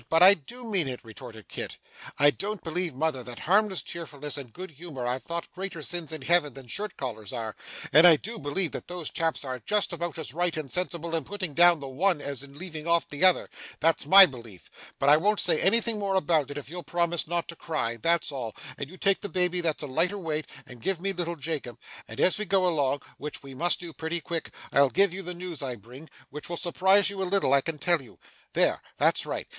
But I do mean it!' retorted Kit. 'I don't believe, mother, that harmless cheerfulness and good humour are thought greater sins in Heaven than shirt collars are, and I do believe that those chaps are just about as right and sensible in putting down the one as in leaving off the other that's my belief. But I won't say anything more about it, if you'll promise not to cry, that's all; and you take the baby that's a lighter weight, and give me little Jacob; and as we go along (which we must do pretty quick) I'll give you the news I bring, which will surprise you a little, I can tell you. There that's right.